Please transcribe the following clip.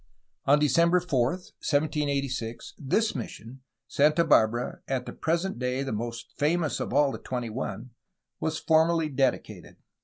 On December 4, 1786, this mission, Santa Barbara, at the present day the most famous of all the twenty one, was formally dedicated.